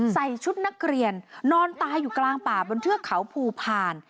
ใส่ชุดนักเรียนนอนตายอยู่กลางป่าบนเทือกเขาภูพาล